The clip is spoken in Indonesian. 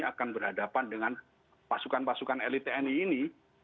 akan berhadapan dengan pasukan pasukan elit tni ini